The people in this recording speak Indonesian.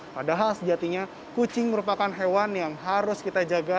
padahal sejatinya kucing merupakan hewan yang harus kita jaga